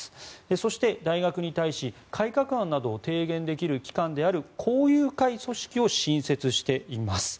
そして、大学に対し改革案などを提言できる機関である校友会組織を新設しています。